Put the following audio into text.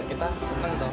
kita seneng toh